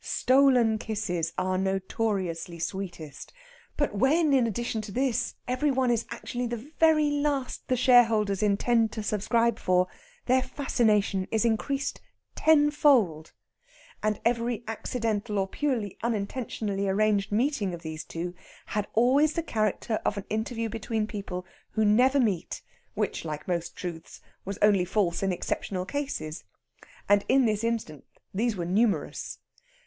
Stolen kisses are notoriously sweetest, but when, in addition to this, every one is actually the very last the shareholders intend to subscribe for, their fascination is increased tenfold. And every accidental or purely unintentionally arranged meeting of these two had always the character of an interview between people who never meet which, like most truths, was only false in exceptional cases; and in this instance these were numerous.